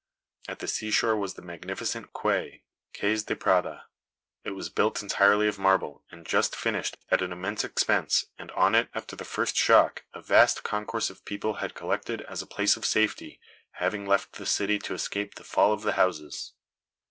At the sea shore was the magnificent quay, Cays de Prada. It was built entirely of marble, and just finished at an immense expense; and on it, after the first shock, a vast concourse of people had collected as a place of safety, having left the city to escape the fall of the houses.